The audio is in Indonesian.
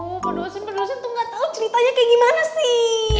oh pak dosen pak dosen tuh gak tau ceritanya kayak gimana sih